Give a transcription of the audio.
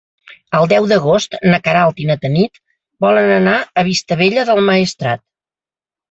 El deu d'agost na Queralt i na Tanit volen anar a Vistabella del Maestrat.